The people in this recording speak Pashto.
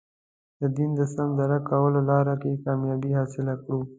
د دین د سم درک کولو لاره کې کامیابي حاصله کړو.